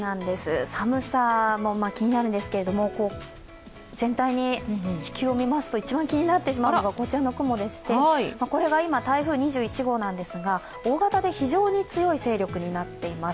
寒さも気になるんですけど、全体に地球を見ますと、一番気になってしまうのがこちらの雲でして、これが今、台風２１号なんですが、大型で非常に強い勢力になっています。